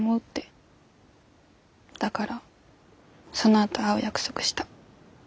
だからそのあと会う約束した。